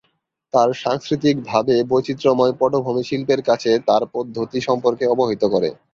তার সাংস্কৃতিকভাবে বৈচিত্র্যময় পটভূমি শিল্পের কাছে তার পদ্ধতি সম্পর্কে অবহিত করে।